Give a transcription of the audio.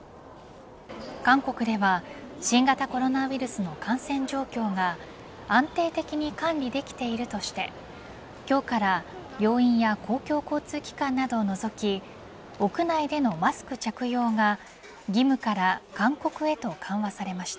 韓国では新型コロナウイルスの感染状況が安定的に管理できているとして今日から病院や公共交通機関などを除き屋内でのマスク着用が義務から勧告へと緩和されました。